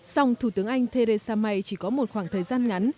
song thủ tướng anh theresa may chỉ có một khoảng thời gian ngắn